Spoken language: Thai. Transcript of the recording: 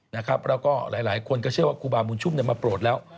แล้วก็หลายคนก็เชื่อว่าครูบาบุญชุมมาโปรดแล้ว